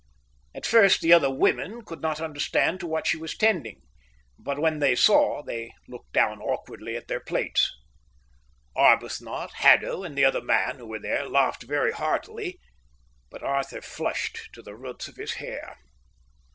At first the other women could not understand to what she was tending, but when they saw, they looked down awkwardly at their plates. Arbuthnot, Haddo, and the other man who was there laughed very heartily; but Arthur flushed to the roots of his hair.